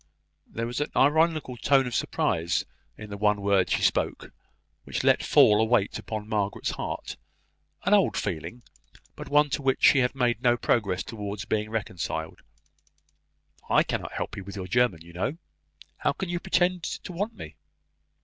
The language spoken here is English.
There was an ironical tone of surprise in the one word she spoke, which let fall a weight upon Margaret's heart; an old feeling, but one to which she had made no progress towards being reconciled. "I cannot help you with your German, you know. How can you pretend to want me?"